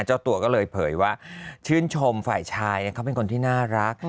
เจ้าตัวก็เลยเผยว่าชื่นชมฝ่ายชายเขาเป็นคนที่น่ารัก